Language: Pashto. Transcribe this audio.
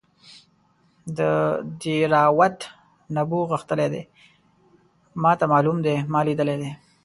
د دیراوت نبو غښتلی دی ماته معلوم دی ما لیدلی دی.